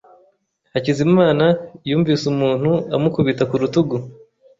Hakizimana yumvise umuntu amukubita ku rutugu.